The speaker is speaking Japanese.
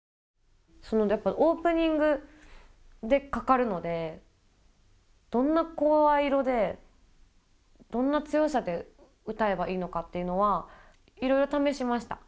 やっぱオープニングでかかるのでどんな声色でどんな強さで歌えばいいのかっていうのはいろいろ試しました。